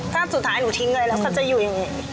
ถ้าสุดท้ายหนูทิ้งอะไรแล้วเขาจะอยู่อย่างนี้